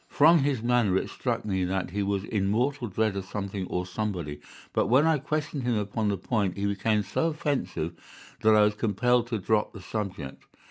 From his manner it struck me that he was in mortal dread of something or somebody, but when I questioned him upon the point he became so offensive that I was compelled to drop the subject.